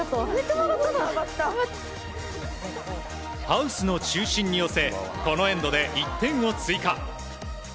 ハウスの中心に寄せこのエンドで１点を追加。